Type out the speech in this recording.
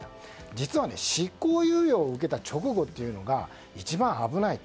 実は執行猶予を受けた直後というのが、一番危ないと。